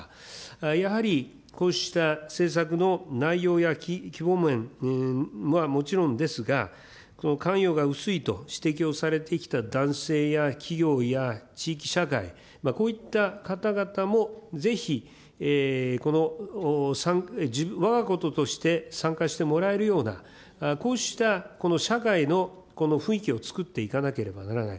やはりこうした政策の内容や規模面はもちろんですが、関与が薄いと指摘をされてきた、男性や企業や地域社会、こういった方々もぜひ、このわがこととして参加してもらえるような、こうしたこの社会のこの雰囲気を作っていかなければならない。